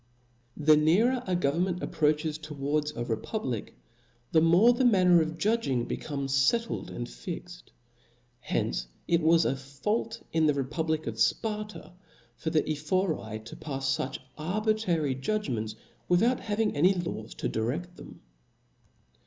TH E nearet a government approaches towards a b o o c republic^ the more the manner of j^dging^^jj^p^' becomes fettled and fixt ; hence ic was a fault in the republic of Sparta, for the Ephori to pafs fuch arbitrary judgments, without having any laws to direft them.